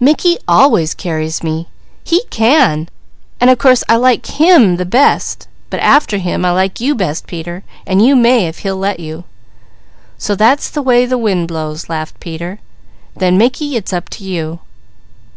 "Mickey always carries me. He can! And of course I like him the best; but after him, I like you best Peter, so you may, if he'll let you." "So that's the way the wind blows!" laughed Peter. "Then Mickey, it's up to you."